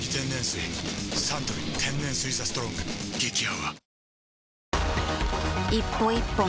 サントリー天然水「ＴＨＥＳＴＲＯＮＧ」激泡